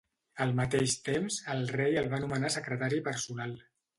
Al mateix temps, el rei el va nomenar secretari personal.